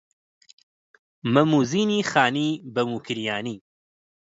مەم و زینی خانی بە موکریانی